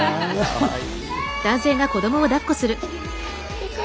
かわいい。